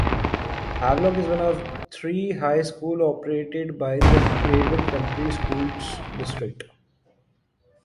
Havelock is one of three high schools operated by the Craven County Schools district.